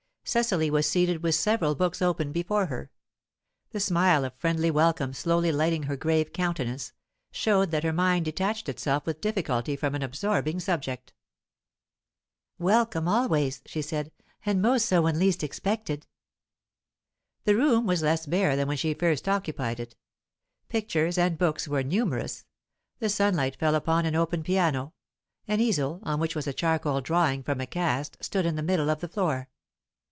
Cecily was seated with several books open before her; the smile of friendly welcome slowly lighting her grave countenance, showed that her mind detached itself with difficulty from an absorbing subject. "Welcome always," she said, "and most so when least expected." The room was less bare than when she first occupied it. Pictures and books were numerous; the sunlight fell upon an open piano; an easel, on which was a charcoal drawing from a cast, stood in the middle of the floor.